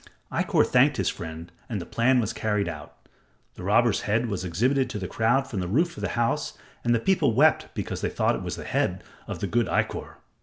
Ikkor thanked his friend and the plan was carried out. The robber's head was exhibited to the crowd from the roof of the house and the people wept because they thought it was the head of the good Ikkor.